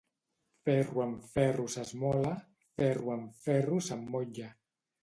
Ferro amb ferro s'esmola, ferro amb ferro s'emmotlla.